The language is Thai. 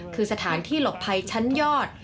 คือสถานที่หลบภัยชั้นยอด